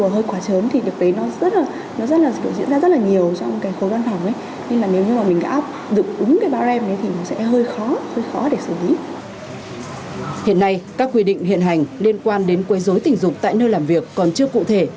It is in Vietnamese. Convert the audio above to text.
hiện nay các quy định hiện hành liên quan đến quấy dối tình dục tại nơi làm việc còn chưa cụ thể